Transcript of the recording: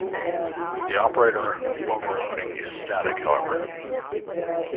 The operator overloading is static, however.